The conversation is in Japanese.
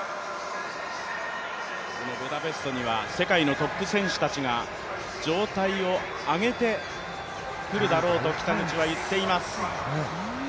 このブダペストには世界のトップ選手たちが状態を上げて来るだろうと北口は言っています。